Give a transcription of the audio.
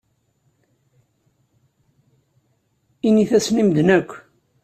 Init-asen i medden akk.